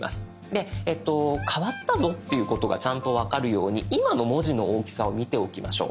変わったぞということがちゃんと分かるように今の文字の大きさを見ておきましょう。